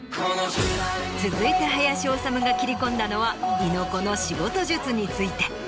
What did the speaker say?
続いて林修が切り込んだのは猪子の仕事術について。